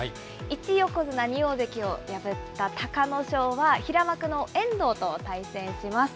一横綱二大関を破った隆の勝は、平幕の遠藤と対戦します。